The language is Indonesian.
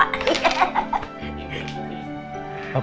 aku anterin sekolah aja yuk